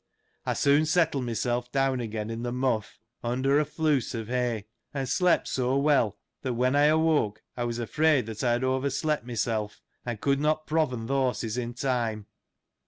I soon settled myself down again in the mough, under a floose of hay, and slept so well, that when I awoke, I was afraid that I had over slept myself, and could not proven th' horses in time.